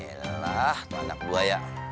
ya iya lah tuh anak gua ya